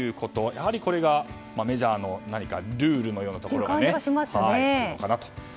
やはりこれがメジャーのルールのようなところなのかなと。